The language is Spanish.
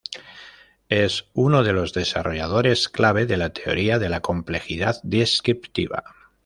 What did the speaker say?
Es uno de los desarrolladores clave de la teoría de la complejidad descriptiva.